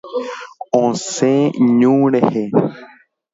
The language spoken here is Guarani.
Osẽ ñu rehe.